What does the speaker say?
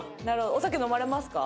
お酒飲まれますか？